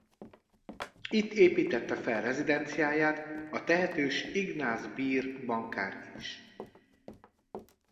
Itt építtette fel rezidenciáját a tehetős Ignaz Beer bankár is.